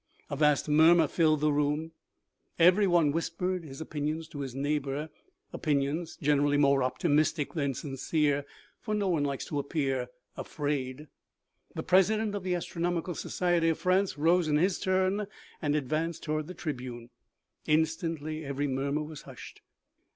A vast murmur filled the room ; everyone whispered his opinions to his neighbor, opinions generally more optimistic than sincere, for no one likes to appear afraid. The president of the astronomical society of France rose in his turn and advanced toward the tribune. Instantly every murmur was hushed.